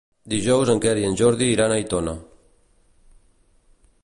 Dijous en Quer i en Jordi iran a Aitona.